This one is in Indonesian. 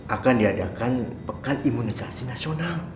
akan diadakan pekan imunisasi nasional